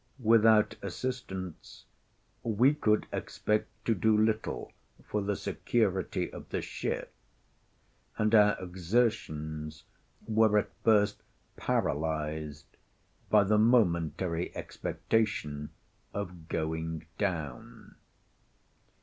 Without assistance, we could expect to do little for the security of the ship, and our exertions were at first paralyzed by the momentary expectation of going down.